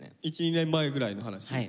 １２年前ぐらいの話。